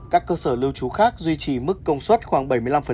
các cơ sở lưu trú khác duy trì mức công suất khoảng bảy mươi năm